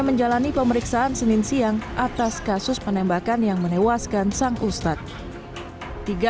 menjalani pemeriksaan senin siang atas kasus penembakan yang menewaskan sang ustadz tiga